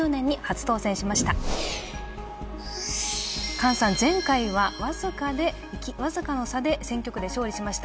菅さん、前回は僅かな差で選挙区で勝利しました。